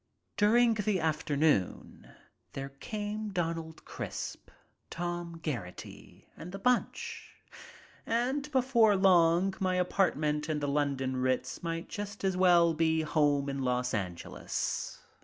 During the afternoon there came Donald Crisp, Tom Geraghty and the bunch, and before long my apartment in the London Ritz might just as well be home in Los Angeles.